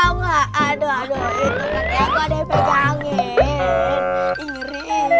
aduh itu kaki aku ada yang pegangin